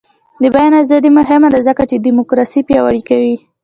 د بیان ازادي مهمه ده ځکه چې دیموکراسي پیاوړې کوي.